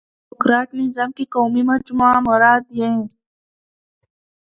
په ډيموکراټ نظام کښي قومي مجموعه مراد يي.